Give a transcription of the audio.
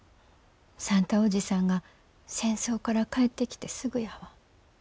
算太伯父さんが戦争から帰ってきてすぐやわ。